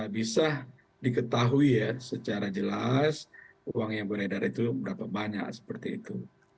bisa diketahui ya secara jelas uang yang beredar itu berapa banyak seperti itu